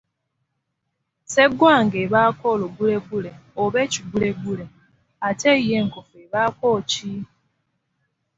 Sseggwanga ebaako olugulegule oba ekigulegule, ate yo enkofu ebaako ki?